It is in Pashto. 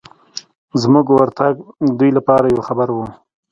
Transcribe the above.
زموږ ورتګ دوی لپاره یو خبر و.